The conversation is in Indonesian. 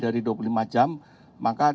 dari dua puluh lima jam maka